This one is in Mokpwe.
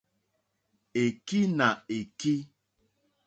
Èkí nà èkí.